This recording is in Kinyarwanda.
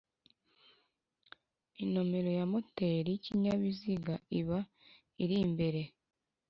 inomero ya moteri y'ikinyabiziga iba irimbere